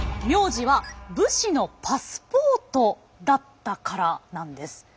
「名字」は武士のパスポートだったからなんです。